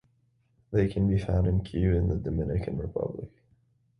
They can be found in Cuba and the Dominican Republic.